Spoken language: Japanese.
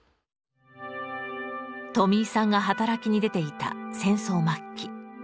とみいさんが働きに出ていた戦争末期。